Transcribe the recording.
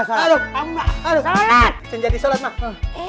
cuman jadi sholat mak